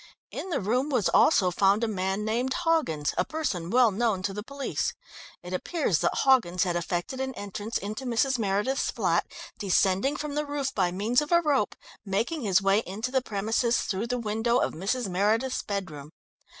In the room was also found a man named Hoggins, a person well known to the police. It appears that Hoggins had effected an entrance into Mrs. Meredith's flat, descending from the roof by means of a rope, making his way into the premises through the window of Mrs. Meredith's bedroom.